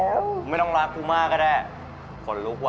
ไม่ต้องรักกูมากก็ได้ขนลุกว่